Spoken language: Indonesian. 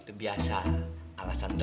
kalau kita gak bayar rumah sakit secepatnya